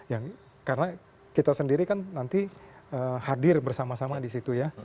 ya karena kita sendiri kan nanti hadir bersama sama di situ ya